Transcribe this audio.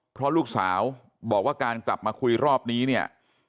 เพราะลูกสาวบอกว่าการกลับมาคุยรอบนี้เนี่ย